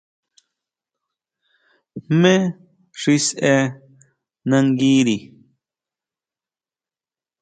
¿Jmé xi sʼee nanguiri?